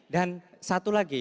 dan satu lagi